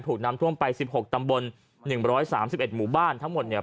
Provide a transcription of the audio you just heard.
ถูกนำถึงไปสิบหกตํำบลหนึ่งบร้อยสามสิบเอ็ดหมู่บ้านทั้งหมดเนี่ย